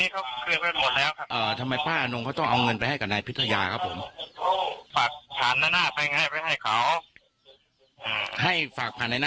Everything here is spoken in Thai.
ก็ไม่รู้ตอนไม่รู้ผมไม่รู้ยังงี้นะครับ